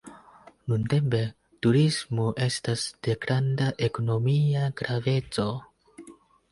Nuntempe turismo estas de granda ekonomia graveco.